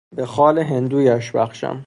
به خال هندویش بخشم...